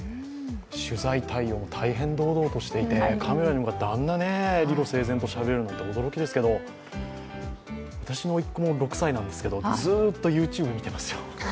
取材対応も大変堂々としていてあんな理路整然としゃべるのも驚きですけど、私の甥っ子も６歳なんですけど、ずっとＹｏｕＴｕｂｅみてますよ。